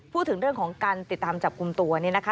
พูดถึงเรื่องของการติดตามจับกลุ่มตัวนี่นะคะ